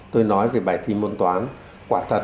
tôi nói về bài thi môn toán quả thật